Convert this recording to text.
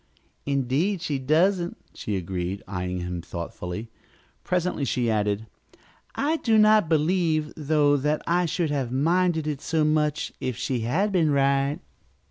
"Indeed, she doesn't," she agreed, eying him thoughtfully. Presently she added: "I do not believe, though, that I should have minded it so much if she had been right."